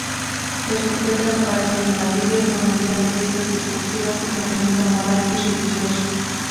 Los profetas aparecen en la Biblia pronunciando piezas discursivas de contenido moral y religioso.